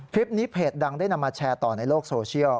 เพจดังได้นำมาแชร์ต่อในโลกโซเชียล